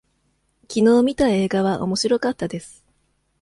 きのう見た映画はおもしろかったです。